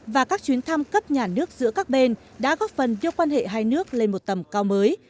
và các chuyến thăm cấp nhà nước giữa các bên đã góp phần đưa quan hệ hai nước lên một tầm cao mới